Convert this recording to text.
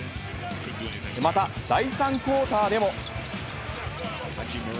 また、第３クオーターでも。